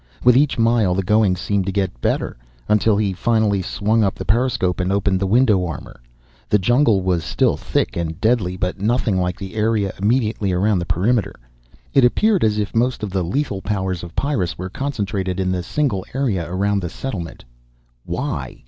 With each mile the going seemed to get better, until he finally swung up the periscope and opened the window armor. The jungle was still thick and deadly, but nothing like the area immediately around the perimeter. It appeared as if most of the lethal powers of Pyrrus were concentrated in the single area around the settlement. Why?